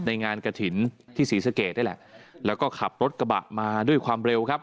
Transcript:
งานกระถิ่นที่ศรีสะเกดนี่แหละแล้วก็ขับรถกระบะมาด้วยความเร็วครับ